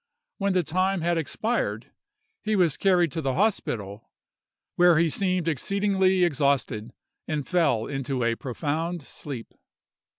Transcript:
When the time had expired, he was carried to the hospital, where he seemed exceedingly exhausted and fell into a profound sleep.